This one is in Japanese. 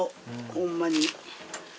ホンマに。